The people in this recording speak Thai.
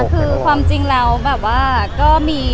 คือความจริงแล้วก็